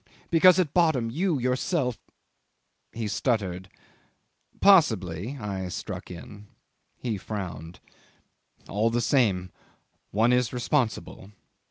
Because at bottom ... you, yourself ..." He stuttered. '"Possibly," I struck in. He frowned. '"All the same, one is responsible."